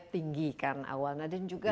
tinggi kan awalnya